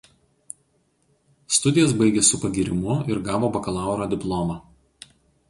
Studijas baigė su pagyrimu ir gavo bakalauro diplomą.